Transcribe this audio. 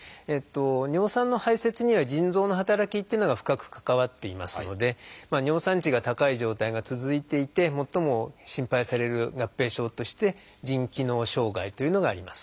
尿酸の排せつには腎臓の働きっていうのが深く関わっていますので尿酸値が高い状態が続いていて最も心配される合併症として腎機能障害というのがあります。